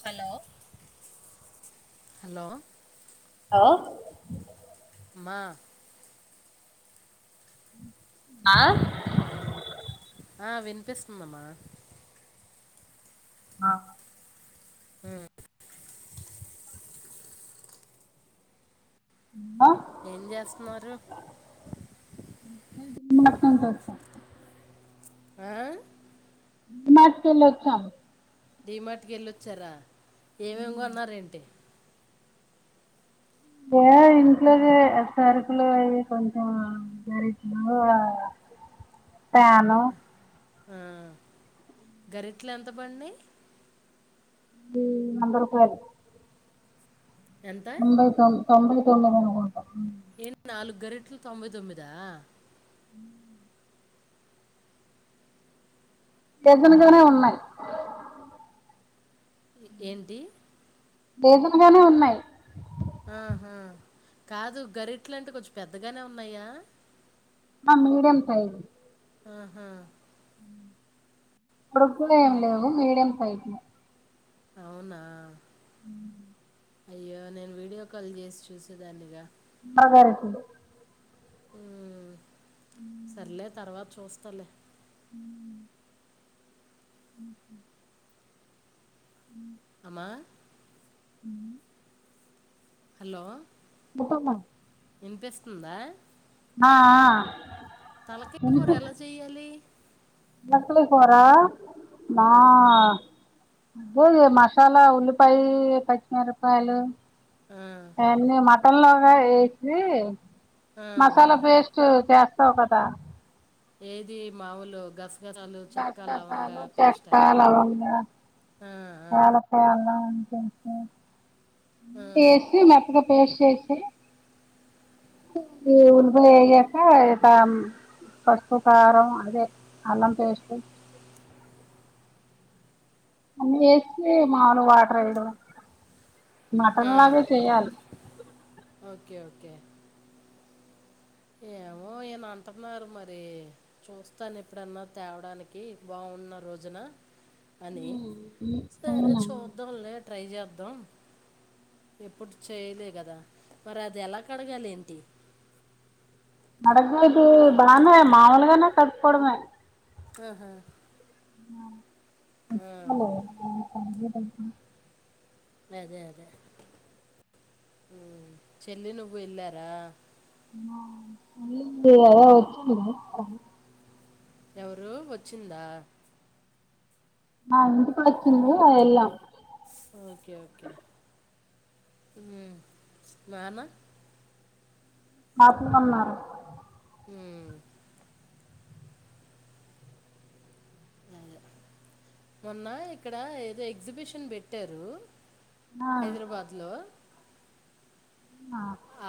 Hello hello హో మా ఆ ఆ వినిపిస్తుందమా ఆ హ ఉ ఆ ఏం చేస్తున్నారు [unintelligible] ఆ మార్చ్ లెక్క డిమార్ట్కి వెళ్ళొచ్చారా ఏమేమి కొన్నారేంటి. ఏ ఇంట్లోగే ఆ సరుకులు అవి కొంచెం గారిట్లు ఆ ప్యాను ఆ గరిట్లు ఎంత పడినాయ్ ఉ వంద రూపాయిలు ఎంత [unintelligible] ఏన్ నాలుగు గరిెట్లు తొంభై తొమ్మిదా హలో డజన్గానే ఉన్నాయ్ ఏ ఏంటి రిజన్గానే ఉన్నాయ్ ఆహా కాదు గరిట్లంటే కొంచెం పెద్దగానే ఉన్నాయా ఆ మీడియం సైజు ఆ హా పోడ్ కున ఎమ్ లేవు మీడియం సైజ లో అవునా హ్మ్ అయ్యో నేన్ వీడియో కాల్ చేస్ చూసేదాన్నిగా బావ్ గార్ వచ్చిండు హ్మ్ సర్లే తర్వాత్ చూస్తాలే హుమ్ అమ్మా హ్మ్ హలో మూపమ్మా ఇన్ పిస్తుందా ఆ ఆ తల కయి కూర ఎలా చెయ్యాలి లక్క లీ [unintelligible] కూరా మా అదేలే మశాలా ఉల్లిపాయల్ పచ్ మిరప్ కాయలు ఆ, ఎన్ని మటన్ లోనే ఎసి ఆ, ఆ. మశాలా పేస్ట్ చేస్తావు కదా ఏది మాముూలు గస్ గస్ గస్ సాలు చెక్క లవంగా ఆ, ఆ, యాలాక అల్లం అం తం త ఆ, [unintelligible] ఎసి మెత్తగా పేస్ట్ చేసి ఊ ఉల్ పాయి ఎగక తామ్ పసుపు కారం అందె అల్లం పేస్ట్ అన్ని ఏశి మాడు [unintelligible] వాట్ర్ రైడు ఆ. మటన్ లాగే చేయాలీ ఓకే ఓకే ఏమో ఈయన అంటున్నారు మరి చూస్తాన్ ఎప్పుడన్న తేవడానికి బాఉం ఉన్న రోజున అని సరే అవునా చూద్దాం లే ట్రై చాద్ దంమ్ ఎపుడ్ చేయలే కదా మరి అది ఎలా కడగాలి ఏంటి అడగొద్దు బానే మామూలుగానే కడుకోడమే ఆహా హా ఆ ఎం జో తెల్ స [unintelligible] అదే అదే మ్మ్ చెల్లి నువ్వు ఎలారా ఆ ఎల్లుం దిగ [unintelligible] వచిండా ఆ ఎవరు వచ్చిందా మా ఇంటి కొచ్చింది అ ఎళ్ళం ఓకే ఓకే హ్మ్ మాన ఆపు అన్నారు హ్మ్ అదే [unintelligible] మొన్న ఇక్కడ ఏదో ఎగ్జిబిషన్ పెట్టారు ఆ హైద్రబాద్ లో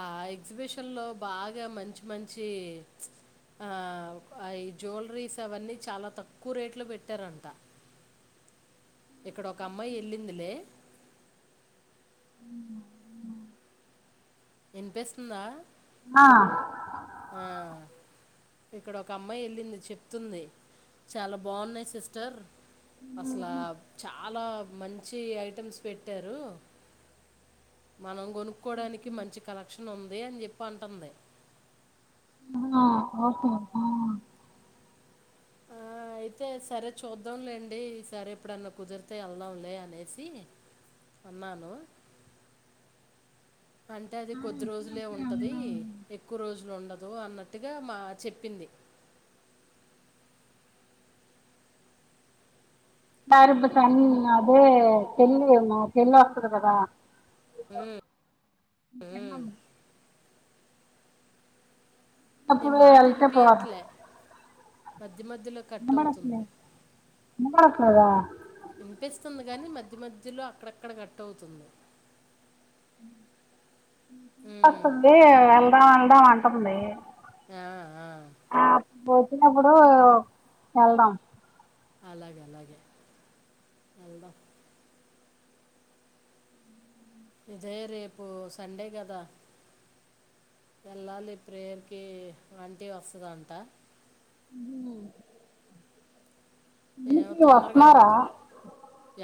ఆ ఎగ్జిబిషన్ లో బాగా మంచి మంచి ఈ చ్ ఆ అ జూల్ రీస్ అవన్నీ చాలా తక్కు రేట్లో పెట్టారంట ఇక్కడోక అమ్మాయి ఎళ్ళిందిలే [unintelligible] ఇన్ పిస్తుందా ఆ ఆ ఇక్కడ ఒక అమ్మాయి ఎళ్ళింది చెప్తుంది చాలా బావున్నాయి సిస్టర్ అసలా చాలా మంచి ఐటెమ్స్ పెట్టారు మనం కొనుక్కోవడానికి మంచి కలెక్షన్ ఉంది అని చెప్పి అంటుంది ఔనా [inaudible] ఆ అయితే సరే చూద్దాంలేండి ఈ సరి ఇప్పుడన్నా కుదిరితే ఎళ్దాం లే అనేసి అన్నాను అంటే అది కొద్ది రోజులే ఉంటది ఎక్కువ రోజులుండ దు అన్నట్టుగా మా చెప్పింది [inaudible] అదే చెల్లి మా చెల్లొస్తది గయదా మీ "ఉమ్, పిన్నమ్మ నీ అప్పుడు మాట ఎలకే పోద్ది వినిపించట్లే మధ్య మధ్యలో కట్ అవుతుంది నాద వినిపిస్తుంది గాని మధ్య మధ్యలో అక్కడక్కడ కట్ అవుతుంది ఊహు ఉమ్, వస్తుంది వెళ్దాం వెళ్దాం అంటుంది ఆ ఆ ఆ వచ్చినప్పుడు వెళ్దాం అలాగే అలాగే వెళ్దాం ఇదే రేపు సండే కదా వెళ్ళాలి ప్రేయర్కి ఆంటీ వస్తదంట ఉ ఏమో ఇంటికి తొందర వస్తున్నారా కావచ్చు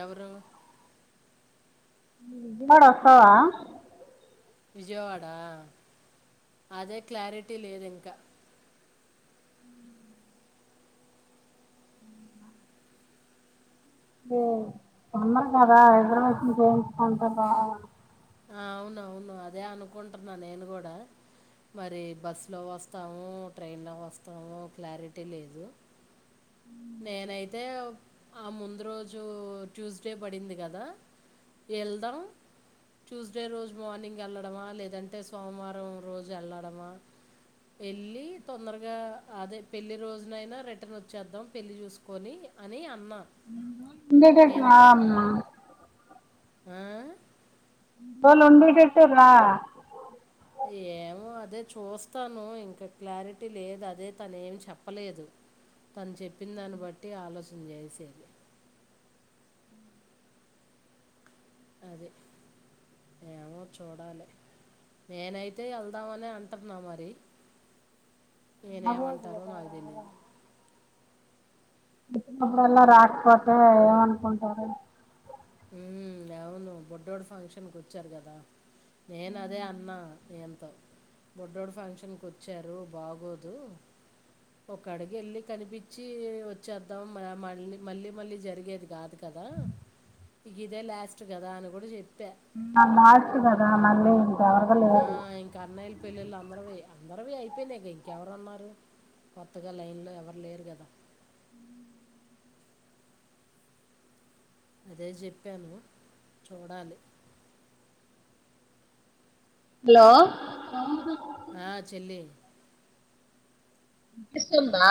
ఎవరు విజయవాడ వస్తావా విజయవాడ అదే క్లారిటీ లేదు ఇంకా ఇదో పండగ కద హైదరాబాద్ ను చేయించుకుంటారు బా ఆ అవునవును అదే అనుకుంటున్నా నేను కూడా మరి బస్సులో వస్తామో ట్రైన్లో వస్తామో క్లారిటీ లేదు నేనైతే ఆ ముందు రోజు ట్యూస్డే పడింది కదా వెళ్దాం ట్యూస్డే రోజు మార్నింగ్ వెళ్లడమా లేదంటే సోమవారం రోజు వెళ్లడమా వెళ్ళి తొందరగా అదే పెళ్లి రోజునైనా రిటర్న్ వచ్చేద్దాం పెళ్ళి చూసుకొని అని అన్నా ఈయనతో [unintelligible] ఆ [unintelligible] రా యే మో అదే చూస్తాను ఇంకా క్లారిటీ లేదు అదే తనేమి చెప్పలేదు తను చెప్పిన దాన్ని బట్టి ఆలోచన చేసేది అదే ఏమో చూడాలి నేనైతే వెళ్దామనే అంటున్నా మరి అవ్వదు ఈయనేమంటారో కదా నాకు తెలీదు [unintelligible] నప్పుడు అల్లా రాకపోతే ఏమనుకుంటారు ఉమ్ అవును బుడ్డోడు ఫంక్షన్ కు వచ్చారు కదా నేను అదే అన్నా ఆయన్తో బుడ్డోడు ఫంక్షన్ కి వచ్చారు బాగోదు ఒక అడుగు వెళ్ళి కనిపిచ్చి వచ్చేద్దాం మనం మళ్ళీ మళ్ళీ జరిగేది కాదుగ దా ఇదే ల్యాస్ట్ కదా అని కూడా చెప్ [unintelligible] ఆ లేరు ఇంక కర్నయిల పెళ్ళిళ్ళ అందరే అందరువి అయిపోయినాక ఇంకెవరు అన్నారు కొత్తగా లైన్లో ఎవరు లేరు కదా అదే చెప్పాను చూడాలి హలో ఆ చెల్లి ఇష్టందా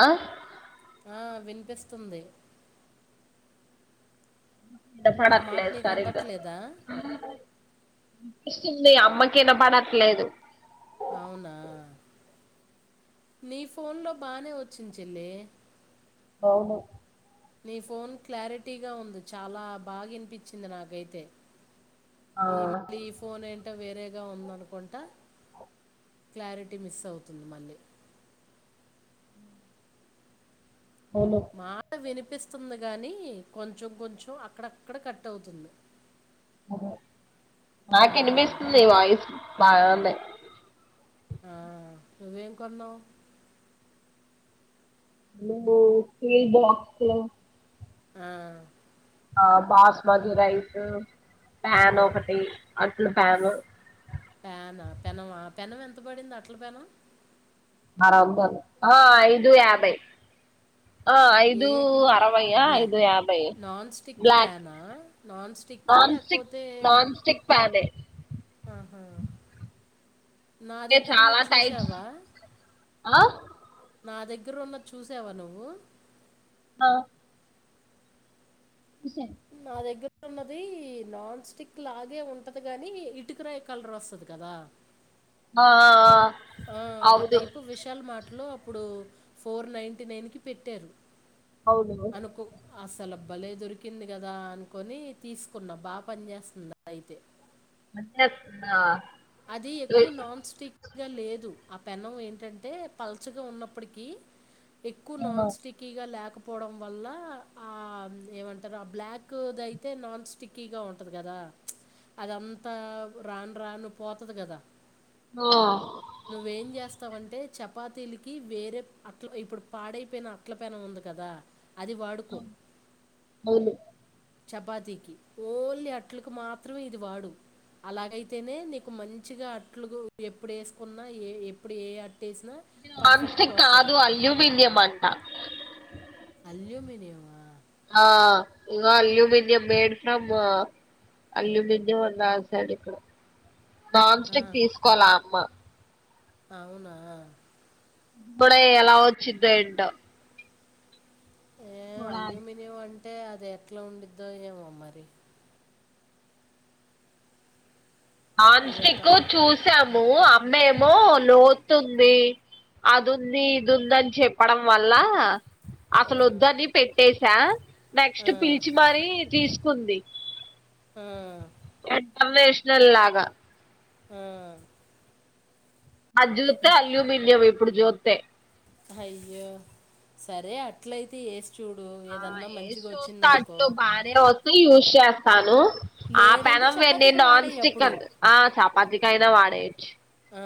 ఆ వినిపిస్తుంది ఇద నా మాట పడకలే నీకు సార్గా అందట్లేదా అపిస్తుంది అమ్మకినా పడట్లేదు అవునా నీ ఫోన్లో బానే వచ్చిన చెల్లి అవును నీ ఫోన్ క్లారిటీగా ఉంది చాలా బాగానిపించింది నాకైతే ఆ ఈ మళ్ళ ఈ ఫోన్ అంట వేరేగా ఉందనుకుంటా క్లారిటీ మిస్ అవుతుంది మళ్ళీ అవును మాడ వినిపి కనిపిస్తుంది గాని కొంచెం కొంచెం అక్కడక్కడ కట్ అవుతుంది అద నాకు ఉమ్, వినిపిస్తుంది వాయిస్ బాగాంది ఆ ఇవేం కొన్నో బాక్స లో ఆ ఆ బాస్మతి రైస్ ప్యాన్ ఆ. ఒకటి అట్ల ప్యాన్ పెనా పెనమా పెనం ఎంత పడింది అట్ల పెన ఆ ఐదు యాభై ఆ ఐదు ఏ అరవైయా బ్లాక్ ఐదు యాభై నన్ స్టిక్ పనా నన్ స్టిక్ నాన్సిక్ నాన్సిక్ పాలెస్ ఆహా నా అ దగ్గర ఉన్నది చవాతాయి చూసావా ఆ నా దగ్గర ఉన్న చూసావా నువ్వు ఆ చూసాను. నా దగ్గ ర్ ఉన్నది నాన్ స్టిక్ లాగే ఉంటది కాగాని ఇటుకరాయ కలర్ వస్తుంది కదా ఆ ఆ ఆ అవును టైపు విశల్ మాటలు అప్పుడు ఫోర్ నైన్టీ నైన్ కి పెట్టారు అవును అనుకు అసలభ భలే దొరికింది కదా అనుకొని తీసుకున్నా బాగా పని చేేస్తుంది అయితే మన్నా అది ఎక్కువ నాన్ స్టిక్ పదిగా లేదు ఆ పెన్నం ఏంటంటే పల్చగా ఉన్నప్పటికీ ఎక్కువ నాన్ స్టికీగా లేక పోవడం వల్ల ఆ ఏమంటారు ఆ బ్లాక్ది అయితే నాన్ స్టిక్కీగా ఉంటంది కదా అదంతా రాను రాను పోతుది కదా హ వస్తాంటే చపాతీలకి వేరే అట్ల ఇప్పుడు పాడైపోయిన అట్ల పెన ఉంది కదా అది వాడుకో అవును చపాతికి ఓలి అట్లలకు మాత్రమే ఇది వాడు అలాగైతేనే నీకు మంచిగా అట్లు ఎప్పుడు వేసుకున్నా ఏ ఎప్పుడు ఏ అట్ ఇ నాన్స్టిక్ కాదు అల్యూమనియంం అంట అల్ మని ఆ ఇ అల్యూమినయం మేడ్ ఫ్రమ్ అల్యూమినియం ఉందా అసలు ఇక్కడ నాన్ ఆ, స్టిక్ తీసుకోవాల అమ్మ అవునా ఇప్పుడే ఎలా వచ్చిందో ఏంటో ఏ చూడాలి అల్యూమినియం అంటే అది ఎట్లా ఉండిద్దో ఏమో మరి ఇదో నాన్స్టిక్ తల చూసాము అమ్మేమో లోతుంది. అదుంది ఇదుందని చెప్పడం వల్ల ఆ, అసలు వద్దని పెట్టేసా ఆ, నెక్స్ట్ పిలిచి మరి తీసు కుంది ఆ సర్వేషనల్లాగా ఆ ఆ జూత్తే అల్యూమనియయం ఇప్పుడు జుత్తే అయ్యో సరే అట్లయితే ఏ ఆ ఏ చూస్తా అట్లు బానే ఉందో యూస్ చేస్తాను. ఆ లేదంటే పెనం వెడిని చపాతీకి వాడే నాన్ అప్పుడు స్టిక్కర్ ఆ చపాతి కైనా అయినా వాడేయచ్చు. ఆ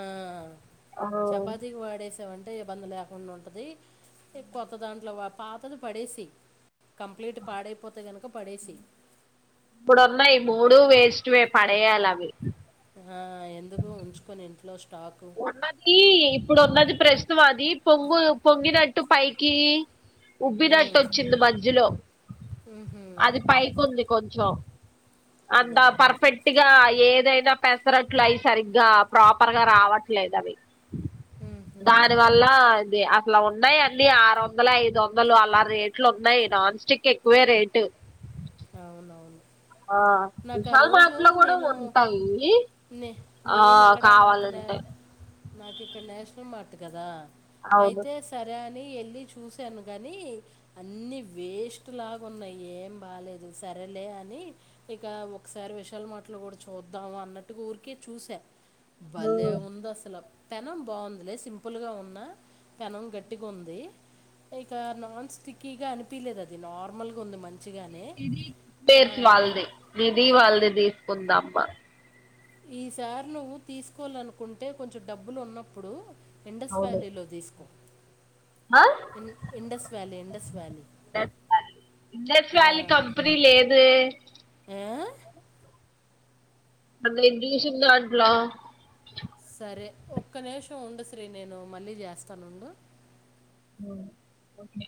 చపాతికి వాడేసావం టే ఇబ్బంది లేకుండా ఉంటది కొత్త దాంట్లో పాతది పడేసి కంప్లీట్ పాడైపోతే గనుక పడేసి ఇప్పుడున్నాయి మూడు వేస్ట్వే పడేయాలి అవి. ఆ ఎందుకు ఉంచుకొని ఇంట్లో స్టాకు. ఉన్నది ఇప్పుడు ఉన్నది ప్రస్నవా అది పొంగు పొంగినట్టు పైకి ఉబ్బినట్టు హ్మ్. వచ్చింది మధ్యలో హుహు. అది పైకి ఉంది కొంచెం. అంత అదేలే. పర్ఫెక్ట్ గా ఏదైనా పెసరట్లు అయి సరిగ్గా ప్రాపర్గా రావట్లేదు అవి. హుహు. దాని వల్ల ఇది అ అట్లా ఉన్నాయి అన్ని ఆరు వందలు, ఐదు వందలు అలా రేట్లు ఉన్నాయి నాన్ స్టిక్ ఎక్కువే రేటు. అవునవును ఆ నాకు ఆ రోజు సల్మాన్ లో కూడా నేను ఉంటంది. నే నేను ఇక్కడ నాకు నా నాకు ఇక్కడ నేషనల్ మార్ట్ కదా అవును అయితే సరే వెళ్ళి చూశాను గాని అన్ని వేస్ట్ లాగాన్నాయి ఏం బాలేదు. సరేలే అని ఇక ముకసారి విషాల్ మార్ట్లో కూడా చూద్దాము అన్నట్టు ఊరికే చూసా భలే ఉమ్. ఉంది అసలు పెనం బావుంది సింపుల్గా ఉన్న పెనం గట్టిగా ఉంది. ఇక నాన్ స్టిక్కీగా అనిపియలేదు అది నార్మల్ గా ఉంది మంచిగానే నిది ఆ, పేర్స్ వాళ్ళది, నిధి వాళ్ళదే తీసుకుందామ్మ. ఈ సారి నువ్వు తీసుకోవాలనుకుంటే కొంచెం డబ్బులు ఉన్నప్పుడు ఇండస్ అవును వ్యాలీలో తీసుకో ఆ ఇ ఇండస్ వ్యాలీ ఇంండస్ వ్యాలీ ఎస్ ఆ. వాళ్లి కంపెనీ లేదే ఏ? అందు ఏబ్రియేషన్ దాంటలా అరే ఒక్క నిమిషం ఉండ శ్రీ నేను మళ్ళీ చేస్తానుండు. ఓ ఓకే